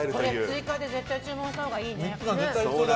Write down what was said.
追加で絶対注文したほうがいいね。